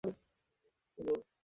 শুধু করে যাও।